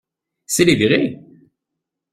C’est les virer!